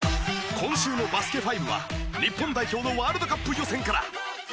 今週の『バスケ☆ＦＩＶＥ』は日本代表のワールドカップ予選から。